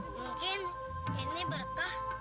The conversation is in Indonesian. mungkin ini berkah